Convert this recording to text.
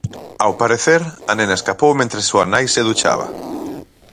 Ao parecer, a nena escapou mentres súa nai se duchaba.